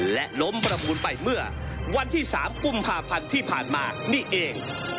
และล้มประมูลไปเมื่อวันที่๓กุมภาพันธ์ที่ผ่านมานี่เอง